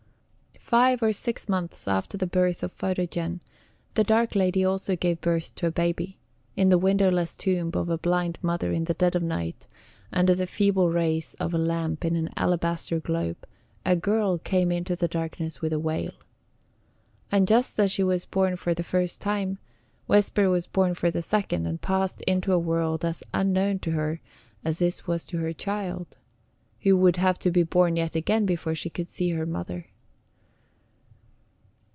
Five or six months after the birth of Photogen, the dark lady also gave birth to a baby: in the windowless tomb of a blind mother, in the dead of night, under the feeble rays of a lamp in an alabaster globe, a girl came into the darkness with a wail. And just as she was born for the first time, Vesper was born for the second and passed into a world as unknown to her as this was to her child who would have to be born yet again before she could see her mother.